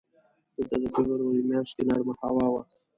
دلته د فبروري میاشت کې نرمه هوا وه.